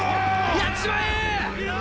やっちまえー！！